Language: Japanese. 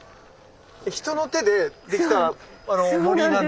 人の手でできた森なんですね。